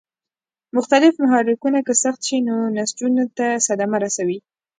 مختلف محرکونه که سخت شي نو نسجونو ته صدمه رسوي.